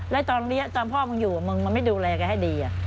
แล้วตอนพ่อมึงอยู่มันไม่ดูแลแกให้ดี